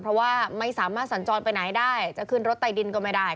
เพราะว่าไม่สามารถสัญจรไปไหนได้จะขึ้นรถไตดินก็ไม่ได้